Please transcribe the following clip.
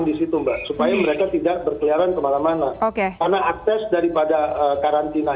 disitu mbak supaya mereka tidak berkeliaran kemana mana oke karena akses daripada karantina